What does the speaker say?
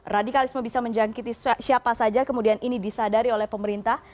radikalisme bisa menjangkiti siapa saja kemudian ini disadari oleh pemerintah